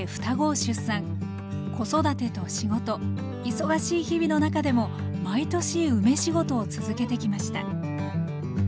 子育てと仕事忙しい日々の中でも毎年梅仕事を続けてきました